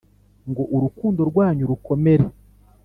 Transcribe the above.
ngo urukundo rwanyu rukomere.